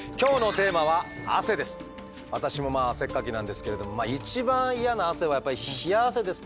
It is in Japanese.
私もまあ汗っかきなんですけれども一番嫌な汗はやっぱり冷や汗ですかね。